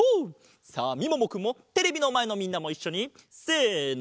さあみももくんもテレビのまえのみんなもいっしょにせの！